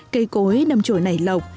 cây cối nằm trồi nảy lọc